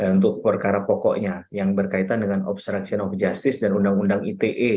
untuk perkara pokoknya yang berkaitan dengan obstruction of justice dan undang undang ite